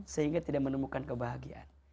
sehingga tidak menemukan kebahagiaan